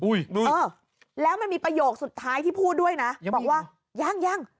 เออแล้วมันมีประโยคสุดท้ายที่พูดด้วยนะบอกว่ายังยัง